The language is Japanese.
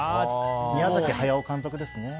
宮崎駿監督ですね。